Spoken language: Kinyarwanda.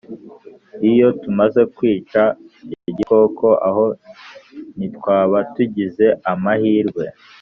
iyo tumaze kwica igikoko, aho ntitwaba tugizeamahirwe,